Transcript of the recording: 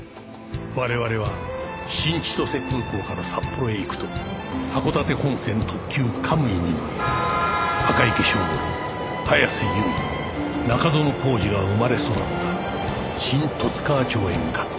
我々は新千歳空港から札幌へ行くと函館本線特急カムイに乗り赤池庄五郎早瀬由美中園宏司が生まれ育った新十津川町へ向かった